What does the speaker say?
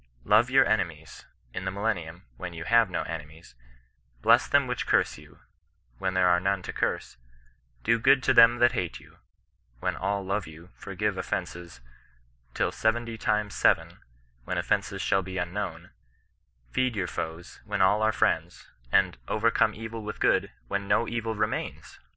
" Love your ene mies," in the millennium, when you have no enemies ;^' bless them which curse you," when there are none to curse ;^ do good to them that hate you," when all love you ; forgive offences " till seventy times seven," Tdien offence shall be unknown ; feed your foes, when all are friends ; and " overcome evil with good," when no evil remains